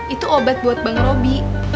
itu obat buat bang roby